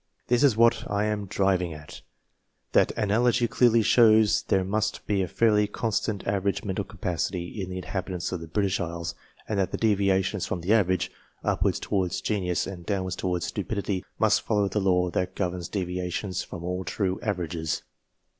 This is what I am driving at that analogy clearly shows there must be a fairly constant average mental capacity in the inhabitants of the British Isles, and that the deviations from that average upwards towards genius, and down wards towards stupidity must follow the law that governs deviations from all true averages.